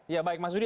ya baik mas yudi